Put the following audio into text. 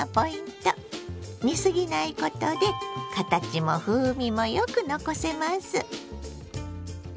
煮すぎないことで形も風味もよく残せます。